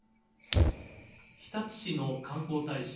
日立市の観光大使